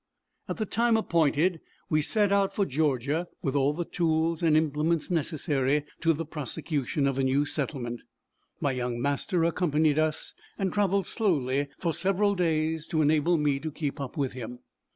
At the time appointed we set out for Georgia, with all the tools and implements necessary to the prosecution of a new settlement. My young master accompanied us, and traveled slowly for several days to enable me to keep up with him.